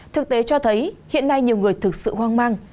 thực tế cho thấy hiện nay nhiều người thực sự hoang mang